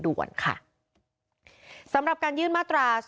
ทางคุณชัยธวัดก็บอกว่าการยื่นเรื่องแก้ไขมาตรวจสองเจน